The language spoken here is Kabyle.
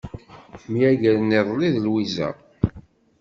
Myagren iḍelli d Lwiza.